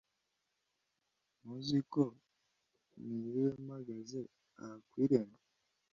Ntuziko niriwe mpagaze aha kwirembo